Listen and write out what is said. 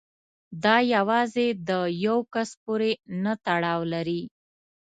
دا یوازې د یو کس پورې نه تړاو لري.